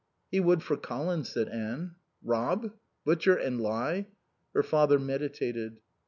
"He would for Colin," said Anne. "Rob? Butcher and lie?" Her father meditated.